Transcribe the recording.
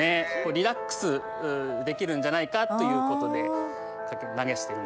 リラックスできるんじゃないかということで流してる。